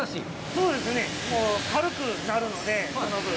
そうですね、軽くなるので、その分。